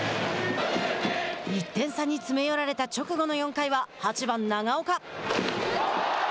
１点差に詰め寄られた直後の４回は８番長岡。